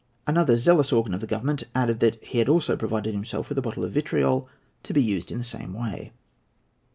Another zealous organ of the Government added that he had also provided himself with a bottle of vitriol, to be used in the same way.